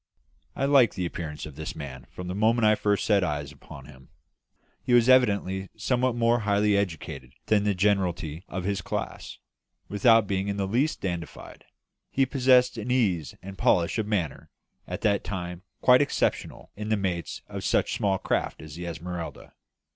I liked the appearance of this man from the moment that I first set eyes upon him. He was evidently somewhat more highly educated than the generality of his class; without being in the least dandified, he possessed an ease and polish of manner at that time quite exceptional in the mates of such small craft as the Esmeralda.